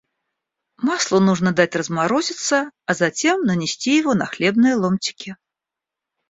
Маслу нужно дать разморозиться, а затем нанести его на хлебные ломтики.